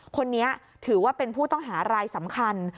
คนนี้ถือว่าเป็นผู้ต้องหารายสำคัญ